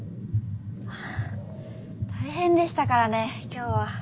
あ大変でしたからね今日は。